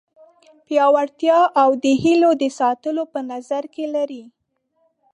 پیاوړتیا او د هیلو د ساتلو په نظر کې لري.